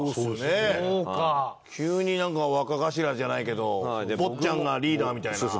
急になんか若頭じゃないけど坊ちゃんがリーダーみたいな。